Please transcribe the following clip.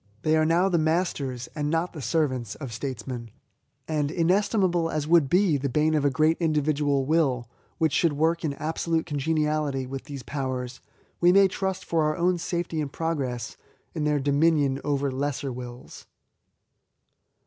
They are now the masters, and not the servants, of Statesmen ; and inestimable as would be the boon of a great individual will, which should work in absolute congeniality with these powers, we may trust, for our safety and progress, in their dominion over all lesser wills.